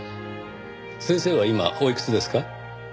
先生は今おいくつですか？